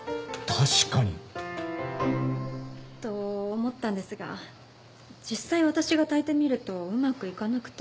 確かに。と思ったんですが実際私が炊いてみるとうまくいかなくて。